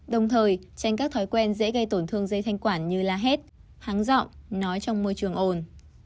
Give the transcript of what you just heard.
đồng thời tránh các thói quen dễ gây tổn thương dây thanh quản như la hét háng giọng nói trong môi trường ồn